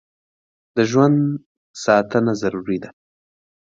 د ژوند ساتنه ضروري ده.